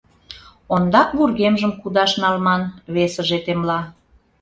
«Ондак вургемжым кудаш налман, — весыже темла.